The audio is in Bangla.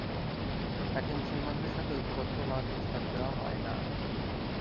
তাকে মুসলমানদের সাথে ঐক্যবদ্ধ হওয়ার প্রস্তাব দেয়া হয় না।